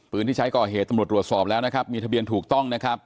ที่ใช้ก่อเหตุตำรวจตรวจสอบแล้วนะครับมีทะเบียนถูกต้องนะครับ